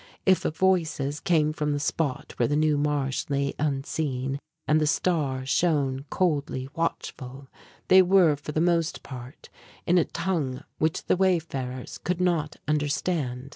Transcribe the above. If voices came from the spot where the "New Marsh" lay unseen and the "Star" shone coldly watchful, they were for the most part in a tongue which the wayfarers could not understand.